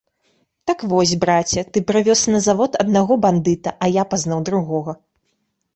Так вось, браце, ты прывёз на завод аднаго бандыта, а я пазнаў другога.